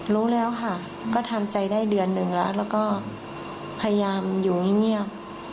รู้แล้วค่ะก็ทำใจได้เดือนหนึ่งแล้วแล้วก็พยายามอยู่เงียบ